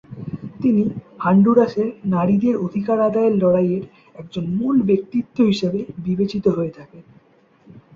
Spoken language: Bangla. তিনি হন্ডুরাসের নারীদের অধিকার আদায়ের লড়াইয়ের একজন মূল ব্যক্তিত্ব হিসাবে বিবেচিত হয়ে থাকেন।